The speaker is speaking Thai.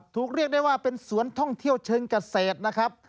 เรียกได้ว่าเป็นสวนท่องเที่ยวเชิงเกษตรนะครับ